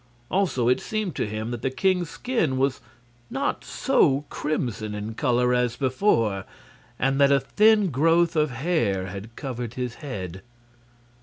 Also it seemed to him that the king's skin was not so crimson in color as before, and that a thin growth of hair had covered his head.